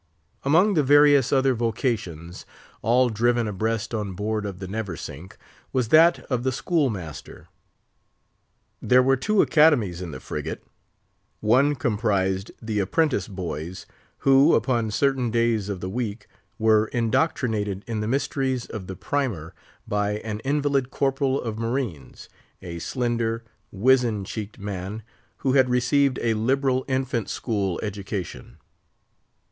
Among the various other vocations, all driven abreast on board of the Neversink, was that of the schoolmaster. There were two academies in the frigate. One comprised the apprentice boys, who, upon certain days of the week, were indoctrinated in the mysteries of the primer by an invalid corporal of marines, a slender, wizzen cheeked man, who had received a liberal infant school education.